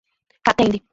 Catende